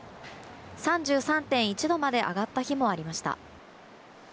３３．１度まで上がった日もありました。